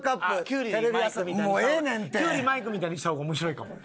キュウリマイクみたいにした方が面白いかも。